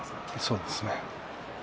そうですね。